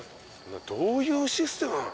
どういうシステムなの？